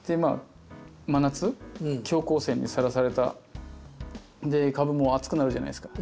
真夏強光線にさらされた株も熱くなるじゃないですか。